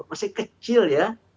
masih kecil ya